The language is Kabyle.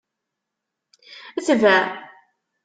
Tbeɛ!